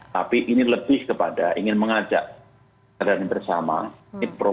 tapi ini lebih kepada ingin mengajak keadaan yang bersama ini problem dengan etika positif